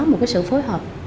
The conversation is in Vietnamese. một cái sự phối hợp